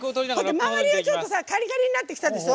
周りがちょっとカリカリになってきたでしょ。